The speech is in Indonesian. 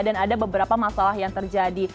dan ada beberapa masalah yang terjadi